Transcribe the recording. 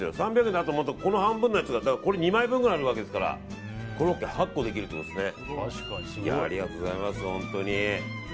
３００円だと思うとこの半分で２枚分ぐらいありますからコロッケ８個できるってことですね。